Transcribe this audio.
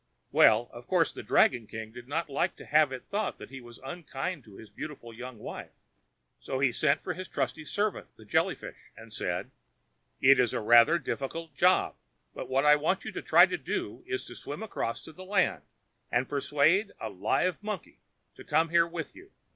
Well, of course the dragon king did not like to have it thought that he was unkind to his beautiful young wife. So he sent for his trusty servant, the Jelly fish, and said: "It is rather a difficult job, but what I want you to try to do is to swim across to the land, and persuade a live monkey to come here with you.